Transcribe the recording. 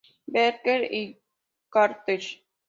Berkeley y Caltech.